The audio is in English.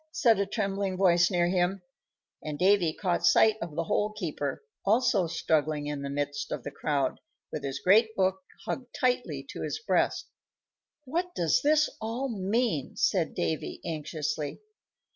said a trembling voice near him; and Davy caught sight of the Hole keeper, also struggling in the midst of the crowd, with his great book hugged tightly to his breast. "What does it all mean?" said Davy, anxiously.